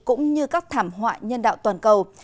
cũng như các thảm họa nhân đạo toàn cầu